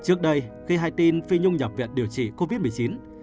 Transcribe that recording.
trước đây khi hai tin phi nhung nhập viện điều trị covid một mươi chín